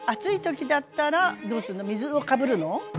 水をかぶるの？